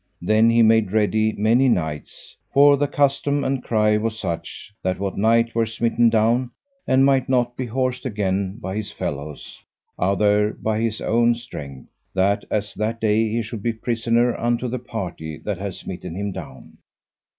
Then he made ready many knights, for the custom and cry was such, that what knight were smitten down, and might not be horsed again by his fellows, outher by his own strength, that as that day he should be prisoner unto the party that had smitten him down.